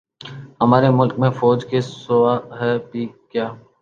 ہمارے ملک میں فوج کے سوا ھے بھی کیا